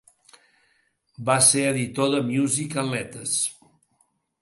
Va ser editor de "Music and Letters".